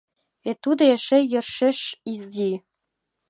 Вет тудо эше йӧршеш изи...